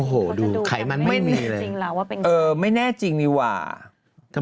โอ้โหดูใครมันไม่มีเลยไม่เห็นจริงหรอว่าเป็นไง